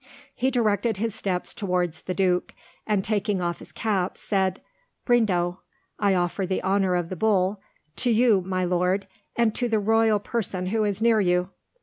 He directed his steps towards the Duke, and taking off his cap, said, "Brindo (I offer the honor of the bull) to you, my lord, and to the royal person who is near you."